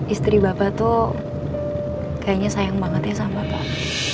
istri bapak tuh kayaknya sayang banget ya sama pak